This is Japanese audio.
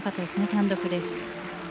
単独です。